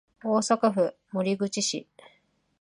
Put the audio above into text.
大阪府守口市